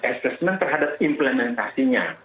assessment terhadap implementasinya